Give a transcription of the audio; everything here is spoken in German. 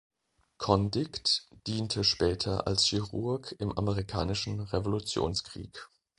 Condict diente später als Chirurg im amerikanischen Revolutionskrieg.